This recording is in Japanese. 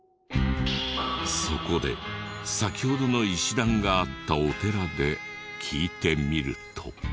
そこで先ほどの石段があったお寺で聞いてみると。